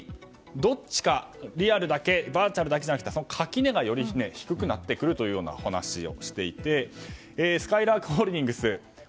リアルだけバーチャルだけじゃなくてその垣根がより低くなってくるというお話をしていてすかいらーくホールディングス。